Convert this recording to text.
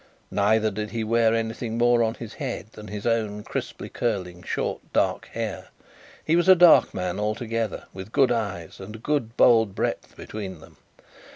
Neither did he wear anything more on his head than his own crisply curling short dark hair. He was a dark man altogether, with good eyes and a good bold breadth between them.